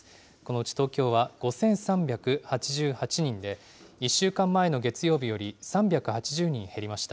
このうち東京は５３８８人で、１週間前の月曜日より３８０人減りました。